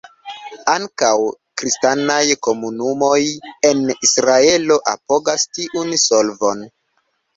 Ankaŭ kristanaj komunumoj en Israelo apogas tiun solvon.